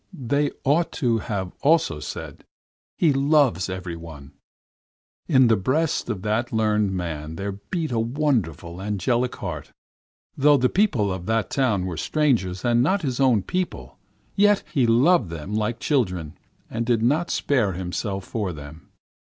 They ought to have also said, 'He loves everyone.' In the breast of that learned man there beat a wonderful angelic heart. Though the people of that town were strangers and not his own people, yet he loved them like children, and did not spare himself for them.